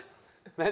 何？